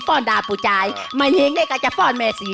โอ้โห